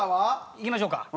いきましょうか。